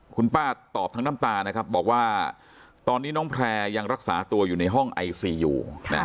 คุณป้าตอบทั้งน้ำตานะครับบอกว่าตอนนี้น้องแพร่ยังรักษาตัวอยู่ในห้องไอซีอยู่